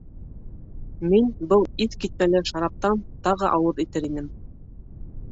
Мин был иҫ китмәле шараптан тағы ауыҙ итер инем!